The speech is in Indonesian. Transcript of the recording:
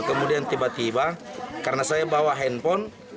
kemudian tiba tiba karena saya bawa handphone